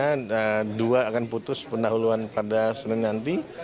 yang pertama dua akan putus pendahuluan pada senin nanti